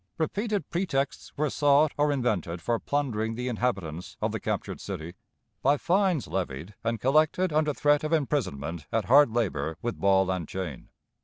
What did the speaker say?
Repeated pretexts were sought or invented for plundering the inhabitants of the captured city, by fines levied and collected under threat of imprisonment at hard labor with ball and chain.